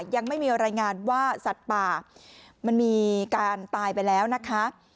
ยังไม่มีรายงานว่าสัตว์ป่ามันมีการตายไปแล้วนะคะ